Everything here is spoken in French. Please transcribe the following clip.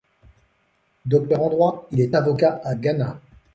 Docteur en droit, il est avocat à Gannat.